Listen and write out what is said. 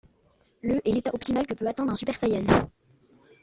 Le est l'état optimal que peut atteindre un Super Saiyan.